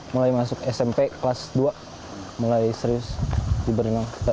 mulai masuk smp kelas dua mulai serius di berenang